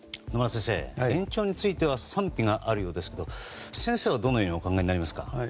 野村先生、延長については賛否があるようですが先生はどのようにお考えになりますか？